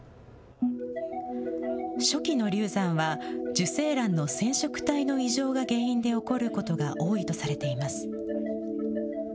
初期の流産は受精卵の染色体の異常が原因で起こることが多いとされています。